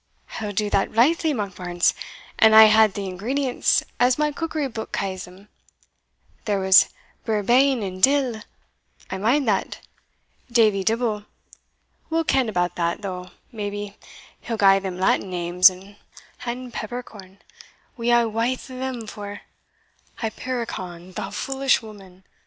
"I will do that blythely, Monkbarns, an I had the ingredients, as my cookery book ca's them There was vervain and dill I mind that Davie Dibble will ken about them, though, maybe, he'll gie them Latin names and Peppercorn, we hae walth o' them, for" "Hypericon, thou foolish woman!"